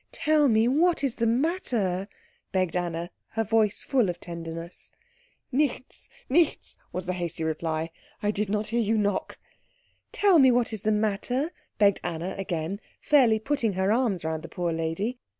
"Tell me what is the matter," begged Anna, her voice full of tenderness. "Nichts, nichts," was the hasty reply. "I did not hear you knock " "Tell me what is the matter," begged Anna again, fairly putting her arms round the poor lady.